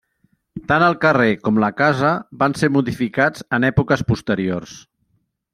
Tant el carrer com la casa van ser modificats en èpoques posteriors.